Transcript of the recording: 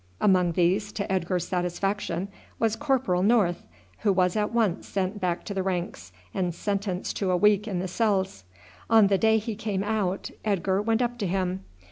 Among these, to Edgar's satisfaction, was Corporal North, who was at once sent back to the ranks and sentenced to a week in the cells. On the day he came out Edgar went up to him.